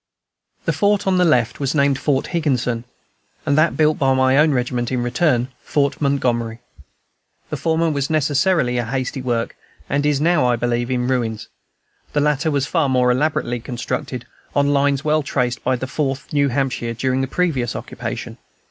The fort on the left was named Fort Higginson, and that built by my own regiment, in return, Fort Montgomery. The former was necessarily a hasty work, and is now, I believe, in ruins; the latter was far more elaborately constructed, on lines well traced by the Fourth New Hampshire during the previous occupation.